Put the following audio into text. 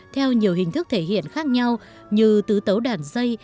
theo nhiều hình thức thể hiện khác nhau như tứ tấu đàn dây